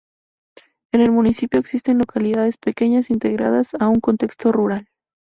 En el municipio existen localidades pequeñas integradas a un contexto rural.